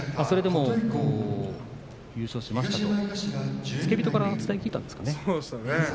それでも優勝しました。